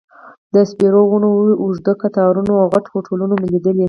د سپیرو ونو اوږد قطارونه او غټ هوټلونه مو لیدل.